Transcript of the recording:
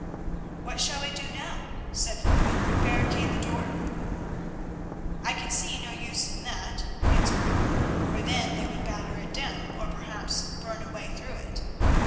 "What shall we do now?" said Foy, "barricade the door?" "I can see no use in that," answered Martin, "for then they would batter it down, or perhaps burn a way through it.